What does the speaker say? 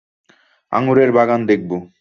আঙ্গুরের বাগান দেখবো।